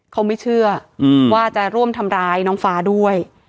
เขาไม่เชื่อว่าจะร่วมทำร้ายน้องฟ้าด้วย